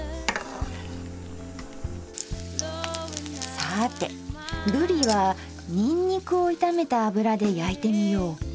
さあてぶりはニンニクを炒めた油で焼いてみよう。